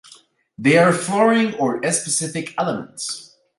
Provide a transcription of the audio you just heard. They are flooring or specific elements.